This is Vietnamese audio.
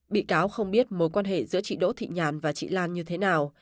bị cáo không biết mối quan hệ giữa chị đỗ thị nhàn và chị lan như thế nào